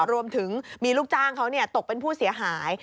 รวมถึงมีลูกจ้างเขาตกเป็นผู้เสียหาย